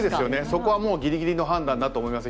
そこはもうギリギリの判断だと思います。